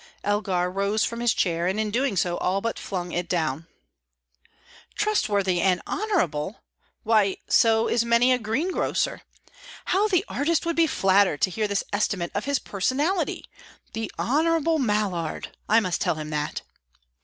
Elgar rose from his chair, and in doing so all but flung it down. "Trustworthy and honourable! Why, so is many a greengrocer. How the artist would be flattered to hear this estimate of his personality! The honourable Mallard! I must tell him that."